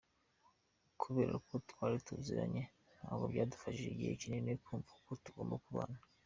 Kubera ko twari tuziranye ntabwo byadufashe igihe kinini kumva ko tugomba kubana.